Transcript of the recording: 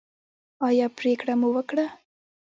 ایا پریکړه مو وکړه؟